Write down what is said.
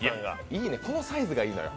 いいね、このサイズがいいのよ。